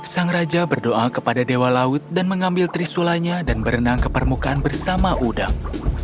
sang raja berdoa kepada dewa laut dan mengambil trisulanya dan berenang ke permukaan bersama udang